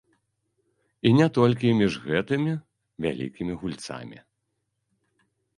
І не толькі між гэтымі вялікімі гульцамі.